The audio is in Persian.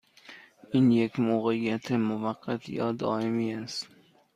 این یک موقعیت موقت یا دائمی است؟